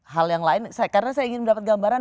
hal yang lain karena saya ingin mendapat gambaran